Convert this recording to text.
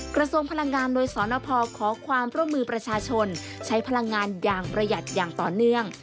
กระทรวงพลังงานโดยสนพขอความร่วมมือประชาชนใช้พลังงานอย่างประหยัดอย่างต่อเนื่อง